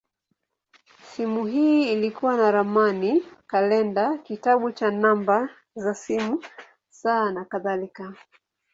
Simu hii ilikuwa na ramani, kalenda, kitabu cha namba za simu, saa, nakadhalika.